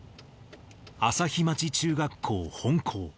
旭町中学校本校。